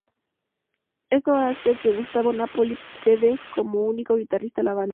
Esto hace que Gustavo Nápoli quede como único guitarrista en la banda.